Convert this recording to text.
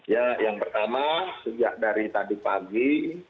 ya yang pertama sejak dari tadi pagi